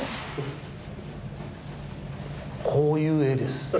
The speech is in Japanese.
こういう絵です。